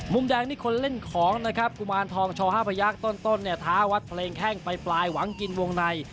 มุมแดงนี่คนเล่นของนะครับกุมารทองชอ๕พยักษ์ต้นเนี่ยท้าวัดเพลงแข้งไปปลายหวังกินวงใน